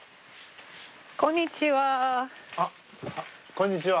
こんにちは。